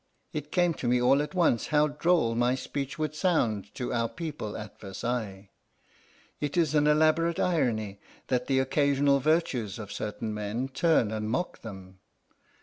It came to me all at once how droll my speech would sound to our people at Versailles. It is an elaborate irony that the occasional virtues of certain men turn and mock them.